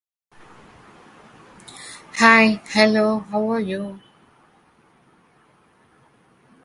Both previously unreleased tracks were recorded at The Worried Rabbit in Assyria.